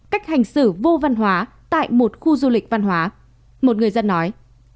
cách hành xử vô văn hóa tại một khu du lịch văn hóa một người dân nói